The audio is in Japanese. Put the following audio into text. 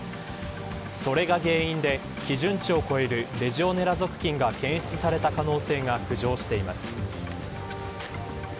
それが原因で基準値を超えるレジオネラ属菌が検出された可能性が浮上しています。